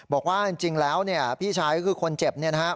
บอกว่าจริงแล้วเนี่ยพี่ชายก็คือคนเจ็บเนี่ยนะครับ